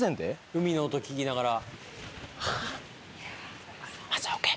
海の音聞きながらＯＫ？